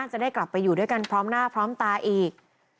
จะได้กลับไปอยู่ด้วยกันพร้อมหน้าพร้อมตาอีก